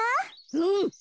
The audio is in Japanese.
うん。